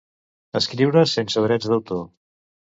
Escriure sense drets d'autor.